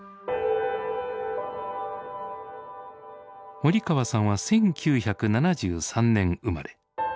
森川さんは１９７３年生まれ。